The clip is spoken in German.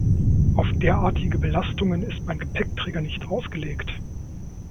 Auf derartige Belastungen ist mein Gepäckträger nicht ausgelegt.